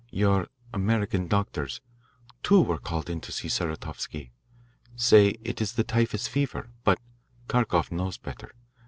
Your American doctors two were called in to see Saratovsky say it is the typhus fever. But Kharkoff knows better.